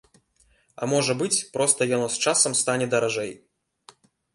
А можа быць, проста яно з часам стане даражэй.